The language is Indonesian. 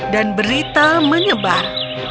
dan berita menyebar